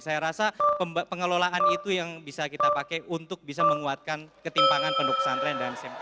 saya rasa pengelolaan itu yang bisa kita pakai untuk bisa menguatkan ketimpangan penduk pesantren dan smk